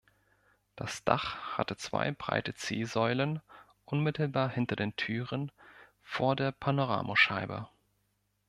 Das Dach hatte zwei breite C-Säulen unmittelbar hinter den Türen, vor der Panoramascheibe.